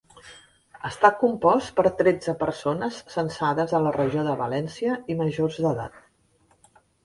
Està compost per tretze persones censades a la Regió de València i majors d'edat.